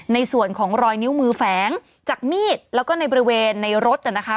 ในส่วนของรอยนิ้วมือแฝงจากมีดแล้วก็ในบริเวณในรถน่ะนะคะ